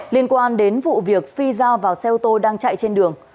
liên quan đến vụ việc phi giao vào xe ô tô đang chạy trên đường